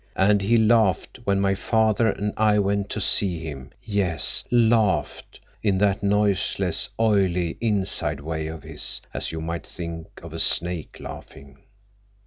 And he laughed when my father and I went to see him; yes, laughed, in that noiseless, oily, inside way of his, as you might think of a snake laughing.